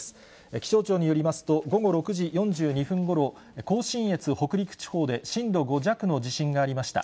気象庁によりますと、午後６時４２分ごろ、甲信越、北陸地方で震度５弱の地震がありました。